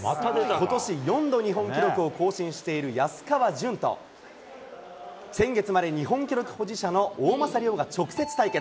ことし、４度、日本記録を更新している安川潤と、先月まで日本記録保持者の大政涼が直接対決。